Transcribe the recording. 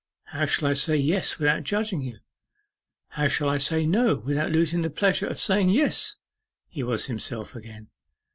'How shall I say "Yes" without judging you? How shall I say "No" without losing the pleasure of saying "Yes?"' He was himself again.